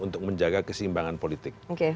untuk menjaga keseimbangan politik